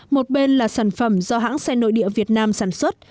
một bên là sản phẩm do hãng xe nội địa việt nam sản xuất